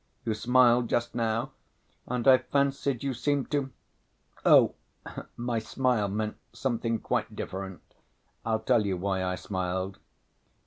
You smiled just now, and I fancied you seemed to—" "Oh, my smile meant something quite different. I'll tell you why I smiled.